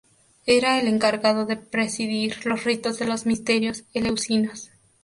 Era el encargado de presidir los ritos de los Misterios Eleusinos.